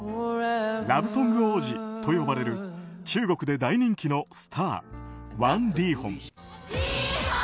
ラブソング王子と呼ばれる中国で大人気のスターワン・リーホン。